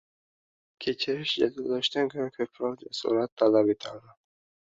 Kechirish jazolashdan ko‘ra ko‘proq jasorat talab etadi.